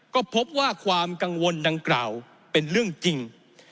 ก็พบว่าความกังวลดังกล่าวเป็นเรื่องจริง